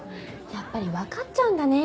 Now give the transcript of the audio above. やっぱりわかっちゃうんだね